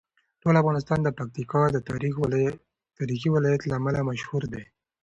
ټول افغانستان د پکتیکا د تاریخي ولایت له امله مشهور دی.